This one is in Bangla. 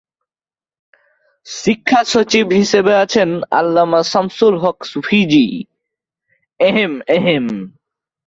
শিক্ষা সচিব হিসেবে আছেন আল্লামা শামসুল হক সুফিজী।